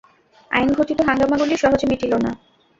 আইনঘটিত হাঙ্গামাগুলি সহজে মিটিল না।